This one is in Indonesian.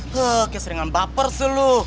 kayak sering ambaper selu